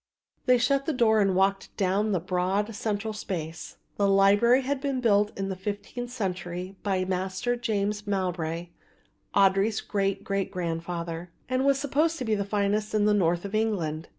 They shut the door and walked down the broad central space. The library had been built in the fifteenth century by Master James Mowbray, Audry's great great grandfather, and was supposed to be the finest in the North of England.